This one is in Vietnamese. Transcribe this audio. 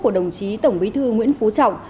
của đồng chí tổng bí thư nguyễn phú trọng